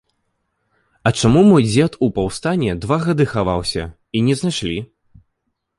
А чаму мой дзед у паўстанне два гады хаваўся, і не знайшлі.